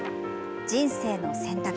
人生の選択。